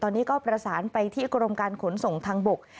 ตอนนี้ก็ประสานไปที่กรมการขนส่งทางบก